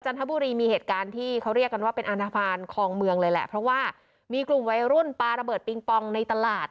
ทบุรีมีเหตุการณ์ที่เขาเรียกกันว่าเป็นอันทภาณคลองเมืองเลยแหละเพราะว่ามีกลุ่มวัยรุ่นปลาระเบิดปิงปองในตลาด